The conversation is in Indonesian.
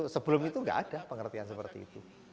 sebelum itu nggak ada pengertian seperti itu